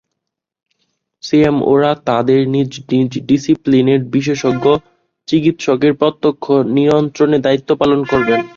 সিএমওরা তাঁদের নিজ নিজ ডিসিপ্লিনের বিশেষজ্ঞ চিকিৎসকের প্রত্যক্ষ নিয়ন্ত্রণে দায়িত্ব পালন করবেন।